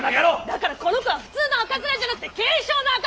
だからこの子は普通の赤面じゃなくって軽症の赤面なんです！